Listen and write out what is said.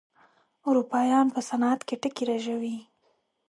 اروپايان په صنعت کې ټکي رژوي.